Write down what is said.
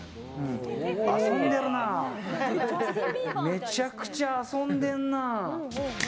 めちゃくちゃ遊んでるな。